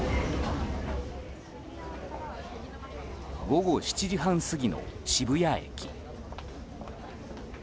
午後７時半過ぎの渋谷駅。